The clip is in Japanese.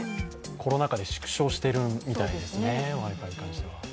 コロナ禍で縮小しているみたいですね、Ｗｉ−Ｆｉに関しては。